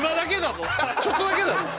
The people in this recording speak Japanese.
ちょっとだけだぞ！